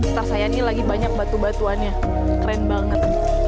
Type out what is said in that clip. saksa ini lagi banyak batu batuannya keren banget